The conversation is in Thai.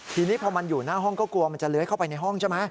ทีนี้พอมันอยู่หน้าห้องก็กลัวมันจะเลื้อยเข้าไปในห้องใช่ไหม